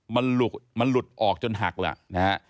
มันหลุดออกจนหักละนะฮะ